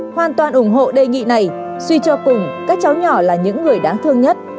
hoàn toàn ủng hộ đề nghị này suy cho cùng các cháu nhỏ là những người đáng thương nhất